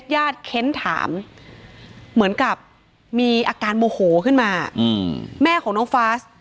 เค้นถามเหมือนกับมีอาการโมโหขึ้นมาแม่ของน้องฟาส